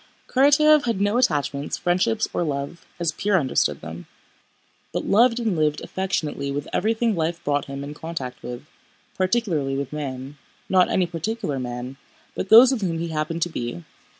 Karatáev had no attachments, friendships, or love, as Pierre understood them, but loved and lived affectionately with everything life brought him in contact with, particularly with man—not any particular man, but those with whom he happened to be.